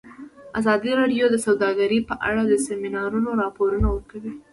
ازادي راډیو د سوداګري په اړه د سیمینارونو راپورونه ورکړي.